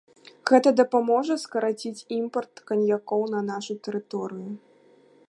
Гэта дапаможа скараціць імпарт каньякоў на нашу тэрыторыю.